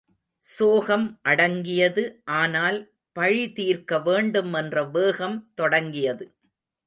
சோகம் அடங்கியது ஆனால் பழி தீர்க்க வேண்டும் என்ற வேகம் தொடங்கியது.